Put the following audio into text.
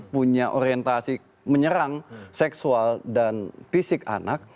punya orientasi menyerang seksual dan fisik anak